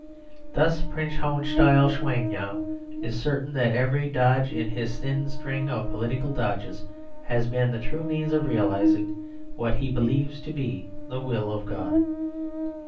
Thus Prince Hohenstiel Schwangau is certain that every dodge in his thin string of political dodges has been the true means of realising what he believes to be the will of God.